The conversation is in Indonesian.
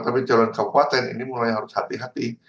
tapi jalan kabupaten ini mulai harus hati hati